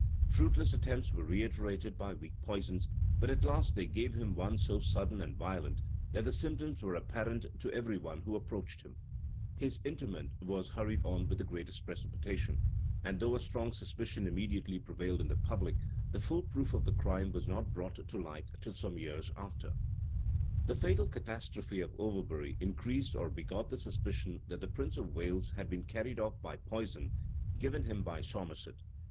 Fruitless attempts were reiterated by weak poisons; but at last they gave him one so sudden and violent, that the symptoms were apparent to every one who approached him.[] His interment was hurried on with the greatest precipitation; and though a strong suspicion immediately prevailed in the public, the full proof of the crime was not brought to light till some years after. * State Trials, vol. i. p. 223, 224, etc. Franklyn's Annais. p. 2, 3, etc. The fatal catastrophe of Overbury increased or begot the suspicion that the prince of Wales had been carried off by poison given him by Somerset.